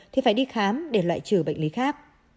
thì phải đi khám để loại trừ bệnh lý khác